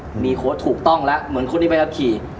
อันนี้จะคุยกับคนที่ไปอับขี่